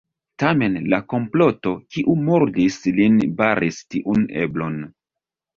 Tamen, la komploto, kiu murdis lin, baris tiun eblon.